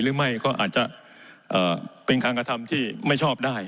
หรือไม่ก็อาจจะเอ่อเป็นคลัครธร์ที่ไม่ชอบได้